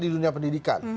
di dunia pendidikan